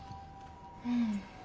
うん。